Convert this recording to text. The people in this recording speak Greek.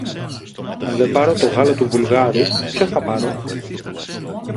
Αν δεν πάρω το γάλα του Βουλγάρου, ποιο θα πάρω;